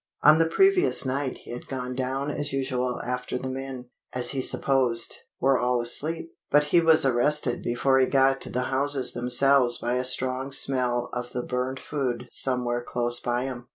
On the previous night he had gone down as usual after the men, as he supposed, were all asleep, but he was arrested before he got to the houses themselves by a strong smell of the burnt food somewhere close by him.